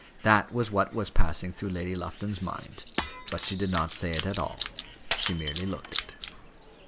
That was what was passing through Lady Lufton's mind; but she did not say it all; she merely looked it.